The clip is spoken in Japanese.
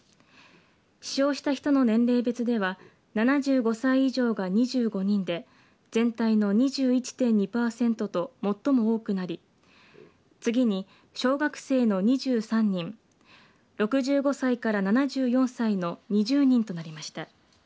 死傷した人の年齢別では７５歳以上が２５人で全体の２１．２パーセントと最も多くなり次に小学生の２３人６５歳から７４歳の２０人となりました。